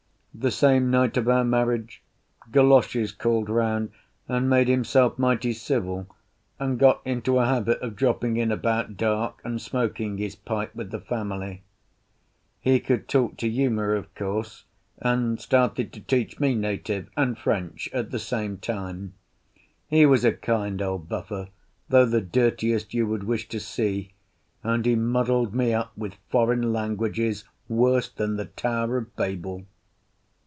The same night of our marriage Galoshes called round, and made himself mighty civil, and got into a habit of dropping in about dark and smoking his pipe with the family. He could talk to Uma, of course, and started to teach me native and French at the same time. He was a kind old buffer, though the dirtiest you would wish to see, and he muddled me up with foreign languages worse than the tower of Babel.